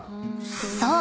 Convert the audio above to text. ［そう。